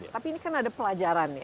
tapi ini kan ada pelajaran ya